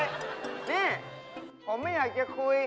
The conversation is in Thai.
นี่ผมไม่อยากจะคุย